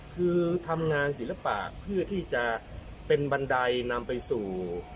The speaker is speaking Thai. คือทำงานศิลปะเพื่อที่จะเป็นบันไดนำไปสู่